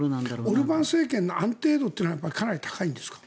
オルバン政権の安定度はかなり高いんですか？